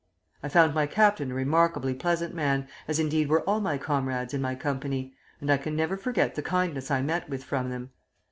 I found my captain a remarkably pleasant man, as indeed were all my comrades in my company, and I can never forget the kindness I met with from them.